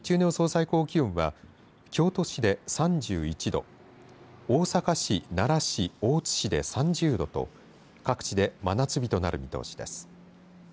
最高気温は京都市で３１度大阪市、奈良市大津市で３０度と各地で真夏日となる見通しです。